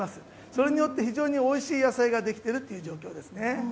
それによって非常においしい野菜ができているという状況です。